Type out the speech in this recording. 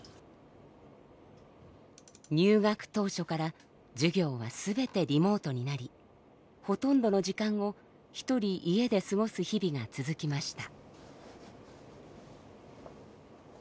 入学当初から授業は全てリモートになりほとんどの時間をひとり家で過ごす日々が続きました。